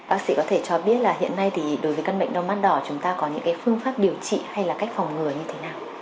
bác sĩ có thể cho biết là hiện nay thì đối với căn bệnh đau mắt đỏ chúng ta có những phương pháp điều trị hay là cách phòng ngừa như thế nào